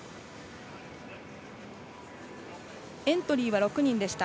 エントリーは６人でした。